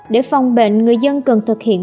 để phòng bệnh người dân cần thực hiện